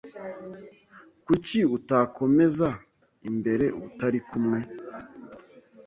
Kuki utakomeza imbere utari kumwe?